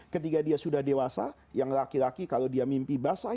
ketika dia sudah dewasa yang laki laki kalau dia mimpi basah